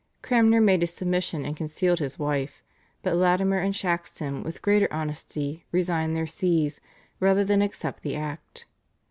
Cranmer made his submission and concealed his wife, but Latimer and Shaxton with greater honesty resigned their Sees rather than accept the Act.